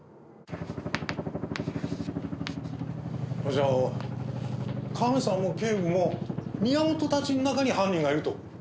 じゃあカメさんも警部も宮本たちの中に犯人がいるというんですか？